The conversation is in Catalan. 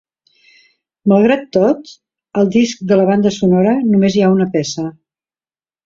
Malgrat tot, al disc de la banda sonora només hi ha una peça.